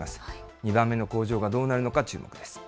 ２番目の工場がどうなるのか注目です。